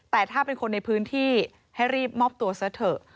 แต่ถ้าเป็นคนในพื้นที่ให้รีบมอบตัวซะเถอะ